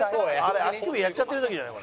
「あれ足首やっちゃってる時じゃない？」